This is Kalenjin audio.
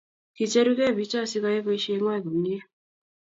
kicherukei biichoo sikoyei boisiengwany komie